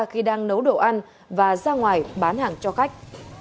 khi đang nấu đồ ăn và ra ngoài bán hàng cho khách